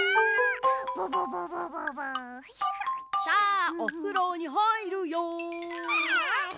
さあおふろにはいるよ。